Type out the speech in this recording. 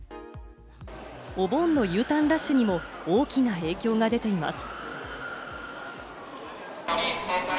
お盆のＵターンラッシュにも大きな影響が出ています。